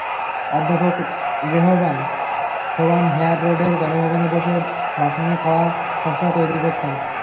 অধ্যাপক রেহমান সোবহান হেয়ার রোডের গণভবনে বসে ভাষণের খসড়া তৈরি করছেন।